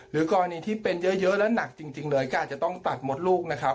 กรณีที่เป็นเยอะและหนักจริงเลยก็อาจจะต้องตัดมดลูกนะครับ